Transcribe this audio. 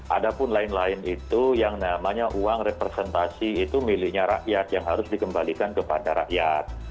ada pun lain lain itu yang namanya uang representasi itu miliknya rakyat yang harus dikembalikan kepada rakyat